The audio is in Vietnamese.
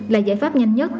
là giải pháp nhanh nhất